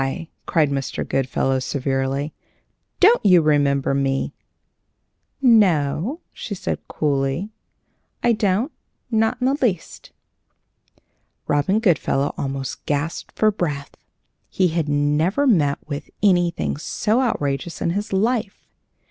cried Mr. Goodfellow, severely. "Don't you remember me?" "No," she said, coolly; "I don't, not in the least." Robin Goodfellow almost gasped for breath. He had never met with anything so outrageous in his life.